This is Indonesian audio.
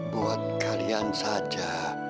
buat kalian saja